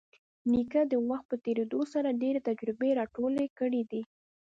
نیکه د وخت په تېرېدو سره ډېرې تجربې راټولې کړي دي.